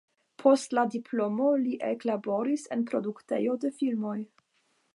Post la diplomo li eklaboris en produktejo de filmoj.